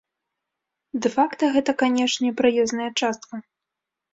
Дэ-факта гэта, канешне, праезная частка.